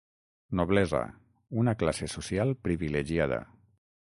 Noblesa: una classe social privilegiada.